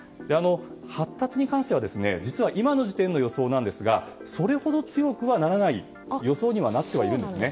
発達に関しては実は、今の時点の予想ではそれほど強くはならない予想にはなってはいるんですね。